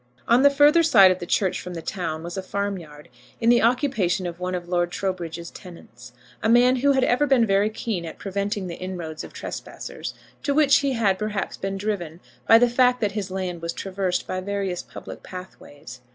On the further side of the church from the town was a farmyard, in the occupation of one of Lord Trowbridge's tenants, a man who had ever been very keen at preventing the inroads of trespassers, to which he had, perhaps, been driven by the fact that his land was traversed by various public pathways.